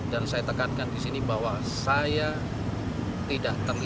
dan saya tekankan disini bahwa saya tidak terlibat